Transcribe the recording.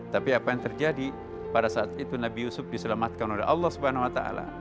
tapi apa yang terjadi pada saat itu nabi yusuf diselamatkan oleh allah swt